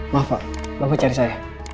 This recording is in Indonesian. maaf pak bapak cari saya